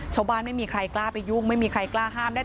ไม่มีใครกล้าไปยุ่งไม่มีใครกล้าห้ามได้